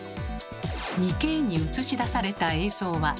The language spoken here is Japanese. ２Ｋに映し出された映像は。